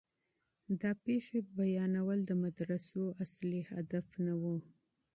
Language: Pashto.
د واقعيتونو بيانول د مدرسو اصلي هدف نه و.